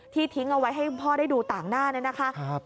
ที่ทิ้งเอาไว้ให้พ่อได้ดูต่างหน้านะคะ